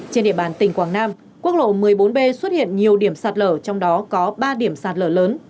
trên địa bàn tỉnh quảng nam quốc lộ một mươi bốn b xuất hiện nhiều điểm sạt lở trong đó có ba điểm sạt lở lớn